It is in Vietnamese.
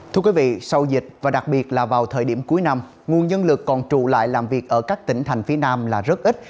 thưa quý vị sau dịch và đặc biệt là vào thời điểm cuối năm nguồn nhân lực còn trụ lại làm việc ở các tỉnh thành phía nam là rất ít